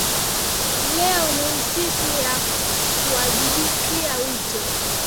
Leo ni siku ya kuwajibikia wito